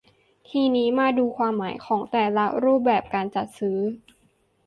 ทีนี้มาดูความหมายของแต่ละรูปแบบการจัดซื้อ